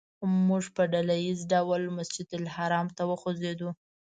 موږ په ډله ییز ډول مسجدالحرام ته وخوځېدو.